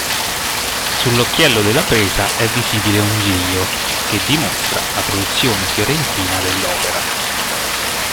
Sull'occhiello della presa è visibile un giglio, che dimostra la produzione fiorentina dell'opera.